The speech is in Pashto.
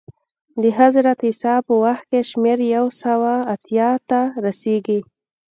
د حضرت عیسی په وخت کې شمېر یو سوه اتیا ته رسېږي